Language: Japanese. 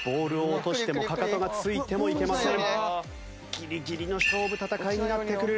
ギリギリの勝負戦いになってくる。